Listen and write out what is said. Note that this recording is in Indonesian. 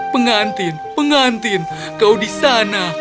pengantin pengantin kau di sana